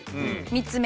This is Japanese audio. ３つ目。